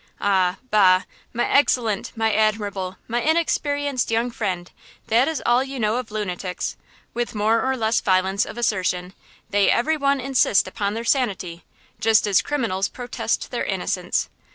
"Ah, bah; my excellent, my admirable, my inexperienced young friend, that is all you know of lunatics! With more or less violence of assertion, they every one insist upon their sanity, just as criminals protest their innocence.